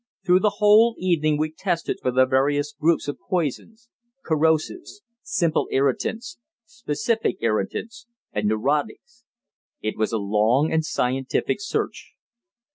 Through the whole evening we tested for the various groups of poisons corrosives, simple irritants, specific irritants and neurotics. It was a long and scientific search.